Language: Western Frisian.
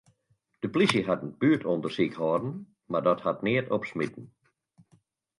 De polysje hat in buertûndersyk hâlden, mar dat hat neat opsmiten.